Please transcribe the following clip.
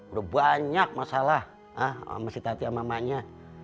udah banyak masalah sama si tati sama mamanya